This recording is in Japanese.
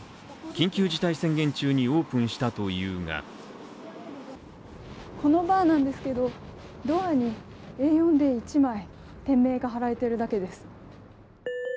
緊急事態宣言中にオープンしたというがこのバーなんですけれども、ドアにＡ４で一枚、店名が貼られているだけです。